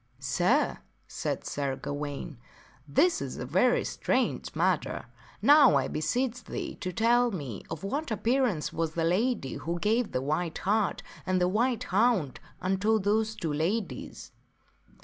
" Sir," said Sir Gawaine, " this is a very strange matter. Now I beseech thee to tell me of what appearance was that lady who gave the white hart and the white hound unto those two ladies